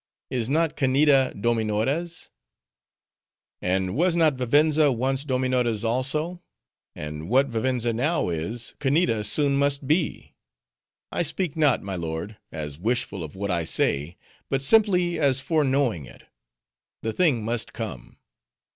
Is not Kanneeda, Dominora's?" "And was not Vivenza once Dominora's also? And what Vivenza now is, Kanneeda soon must be. I speak not, my lord, as wishful of what I say, but simply as foreknowing it. The thing must come.